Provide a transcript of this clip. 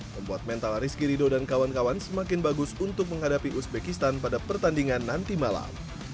membuat mental rizky rido dan kawan kawan semakin bagus untuk menghadapi uzbekistan pada pertandingan nanti malam